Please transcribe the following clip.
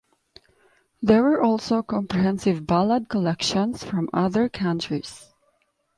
There were also "comprehensive" ballad collections from other countries.